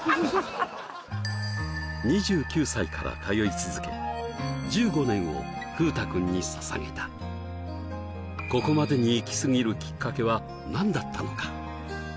２９歳から通い続け１５年を風太君に捧げたここまでにイキスギるきっかけは何だったのか？